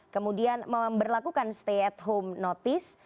kemudian memperlakukan stay at home notice